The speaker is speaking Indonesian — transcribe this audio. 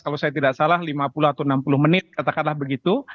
kalau saya tidak salah lima puluh atau enam puluh menit katakanlah begitu